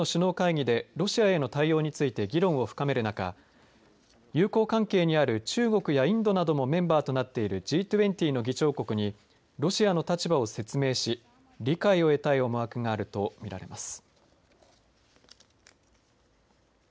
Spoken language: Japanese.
一方、プーチン大統領としては欧米各国がＧ７やＮＡＴＯの首脳会議でロシアへの対応について議論を深める中友好関係にある中国やインドなどもメンバーとなっているＧ２０の議長国にロシアの立場を説明し理解を得たい思惑があると見られます。